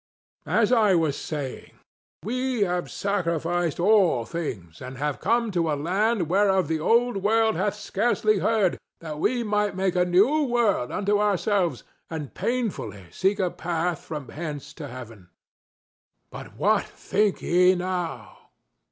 As I was saying, we have sacrificed all things, and have come to a land whereof the Old World hath scarcely heard, that we might make a new world unto ourselves and painfully seek a path from hence to heaven. But what think ye now?